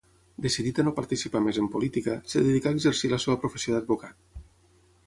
Decidit a no participar més en política, es dedicà a exercir la seva professió d'advocat.